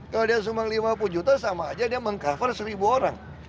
kalau dia sumbang lima puluh juta sama aja dia meng cover seribu orang